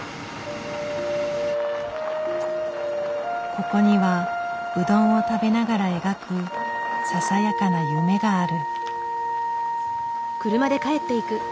ここにはうどんを食べながら描くささやかな夢がある。